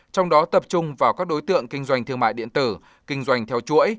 trong đó tập trung vào các đối tượng kinh doanh thương mại điện tử kinh doanh theo chuỗi